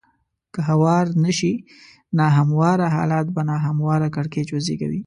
که هوار نه شي نا همواره حالات به نا همواره کړکېچ وزېږوي.